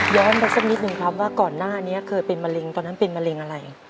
มาสักนิดนึงครับว่าก่อนหน้านี้เคยเป็นมะเร็งตอนนั้นเป็นมะเร็งอะไร